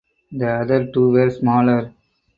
The other two were smaller.